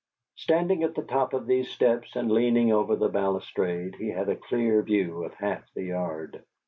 Standing at the top of these steps and leaning over the balustrade, he had a clear view of half the yard.